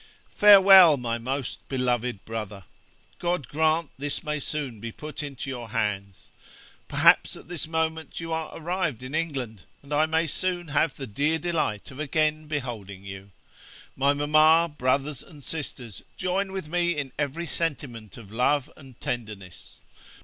'Farewell, my most beloved brother! God grant this may soon be put into your hands I Perhaps at this moment you are arrived in England, and I may soon have the dear delight of again beholding you. My mamma, brothers, and sisters, join with me in every sentiment of love and tenderness.